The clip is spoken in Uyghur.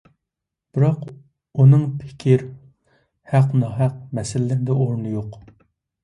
بىراق ئۆنىڭ «پىكىر» «ھەق-ناھەق» مەسىلىلىرىدە ئورنى يوق.